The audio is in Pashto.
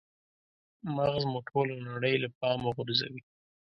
مغز مو ټوله نړۍ له پامه غورځوي.